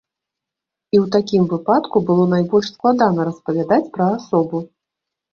І ў такім выпадку было найбольш складана распавядаць пра асобу.